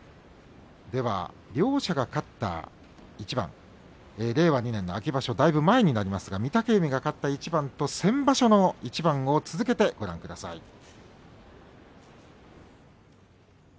では両者が勝った一番令和２年秋場所、だいぶ前になりますが、御嶽海が勝った一番と先場所の一番を続けてご覧ください。